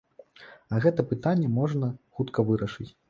А гэта пытанне можна хутка вырашыць.